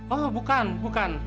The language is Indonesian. oh bukan bukan